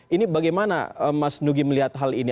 ini bagaimana mas nugi melihat hal ini